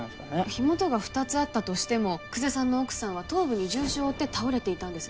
火元が２つあったとしても久世さんの奥さんは頭部に重傷を負って倒れていたんです